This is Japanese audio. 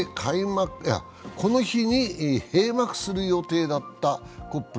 この日に閉幕する予定だったＣＯＰ２７。